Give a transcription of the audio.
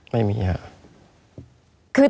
ไม่มีครับ